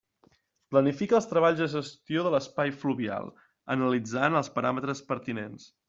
Planifica els treballs de gestió de l'espai fluvial, analitzant els paràmetres pertinents.